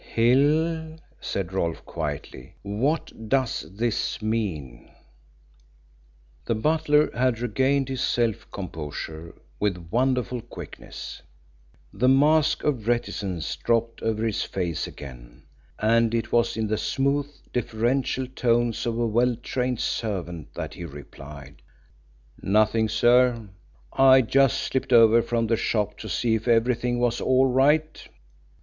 "Hill," said Rolfe quietly, "what does this mean?" The butler had regained his self composure with wonderful quickness. The mask of reticence dropped over his face again, and it was in the smooth deferential tones of a well trained servant that he replied: "Nothing, sir, I just slipped over from the shop to see if everything was all right."